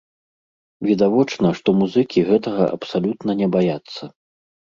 Відавочна, што музыкі гэтага абсалютна не баяцца.